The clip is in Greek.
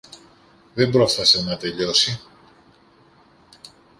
Δεν πρόφθασε να τελειώσει.